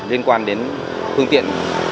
liên quan đến hương tiện